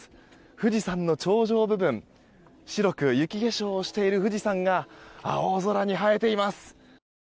富士山の頂上部分白く雪化粧をしている富士山が青空に映えています。